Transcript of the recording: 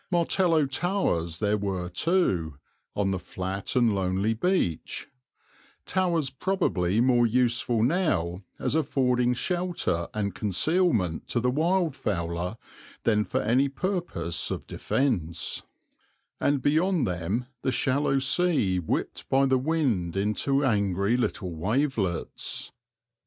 Martello towers there were too, on the flat and lonely beach, towers probably more useful now as affording shelter and concealment to the wild fowler than for any purpose of defence; and beyond them the shallow sea whipped by the wind into angry little wavelets.